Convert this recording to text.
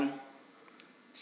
bapak ibu sekalian